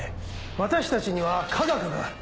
私たちには科学がある。